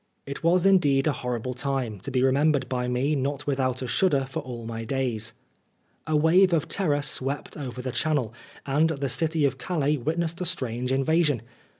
It was indeed a horrible time, to be remembered by me not without a shudder for all my days. A wave of terror swept over the Channel, and the city of Calais witnessed a strange invasion.